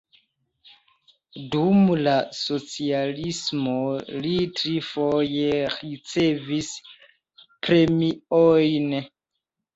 Dum la socialismo li trifoje ricevis premiojn.